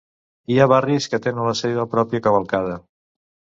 Hi ha barris que tenen la seva pròpia cavalcada.